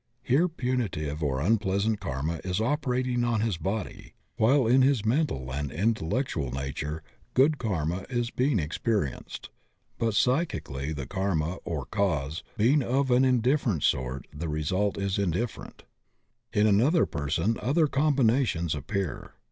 Here punitive or unpleasant karma is operating on his body while in his mental and intel lectual nature good karma is being experienced, but psychically the karma, or cause, being of an indifferent sort the result is indifferent. In another person other combinations appear.